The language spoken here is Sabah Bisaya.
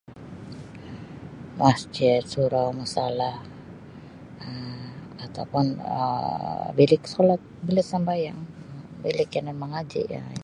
Masjid surau musholla um atau pun um bilik solat bilik sambayang bilik yanan mangaji' um.